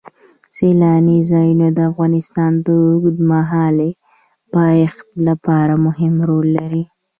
سیلانی ځایونه د افغانستان د اوږدمهاله پایښت لپاره مهم رول لري.